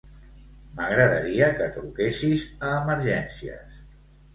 M'agradaria que truquessis a Emergències.